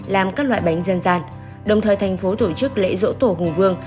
làm các loại bánh dân gian đồng thời thành phố tổ chức lễ dỗ tổ hùng vương